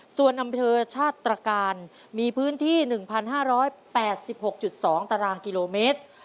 ส่วนอำเภอชาติตรการมีพื้นที่๑๕๘๖๒ตารางกิโลเมตร